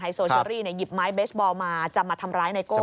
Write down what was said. โซเชอรี่หยิบไม้เบสบอลมาจะมาทำร้ายไนโก้